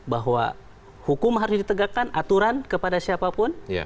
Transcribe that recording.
bahwa hukum harus ditegakkan aturan kepada siapapun